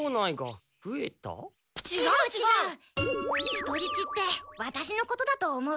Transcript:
人質ってワタシのことだと思う。